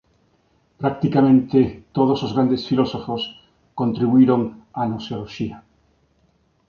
Practicamente todos os grandes filósofos contribuíron á gnoseoloxía.